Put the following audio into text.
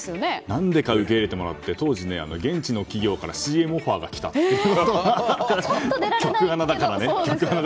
何でか受け入れてもらって当時、現地の企業からＣＭオファーがきたという。